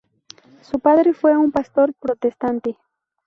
Su padre fue un pastor protestante.